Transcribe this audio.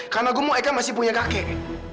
karena gue mau eka masih punya kakek